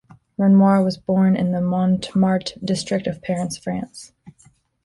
Renoir was born in the Montmartre district of Paris, France.